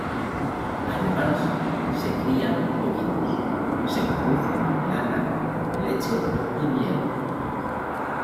Además se crían bovinos, se produce lana, leche y miel.